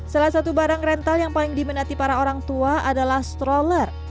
salah satu barang rental yang paling diminati para orang tua adalah stroller